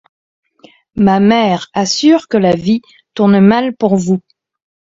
Ma mère assure que la vie tourne mal pour vous.